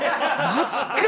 マジか。